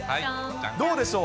どうでしょう。